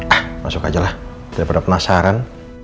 ya masuk aja lah daripada penasaran